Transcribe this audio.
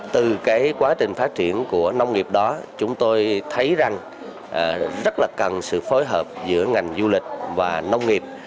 từ cái quá trình phát triển của nông nghiệp đó chúng tôi thấy rằng rất là cần sự phối hợp giữa ngành du lịch và nông nghiệp